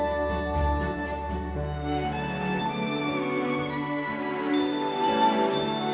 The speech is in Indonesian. jangan lupa like share dan subscribe